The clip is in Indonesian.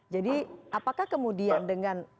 jadi apakah kemudian dengan